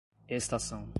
estação